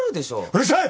うるさい！